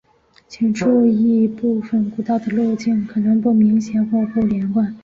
请注意部份古道的路径可能不明显或不连贯。